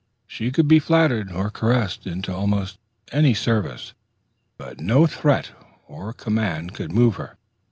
She could be flattered or caressed into almost any service, but no threat or command could move her.